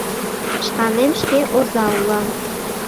Шканем шке оза улам.